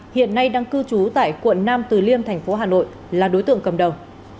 hiện nay đang cư trú tại quận năm từ liêm tp hà nội là đối tượng cầm đầu